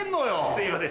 すいません。